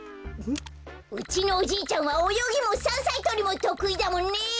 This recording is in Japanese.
うちのおじいちゃんはおよぎもさんさいとりもとくいだもんね。